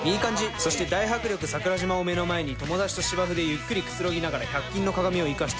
そして大迫力桜島を目の前に友達と芝生でゆっくりくつろぎながら百均の鏡をいかして。